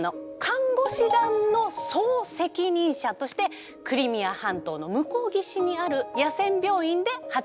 看護師団の総責任者としてクリミア半島の向こう岸にある野戦病院で働くことになったの。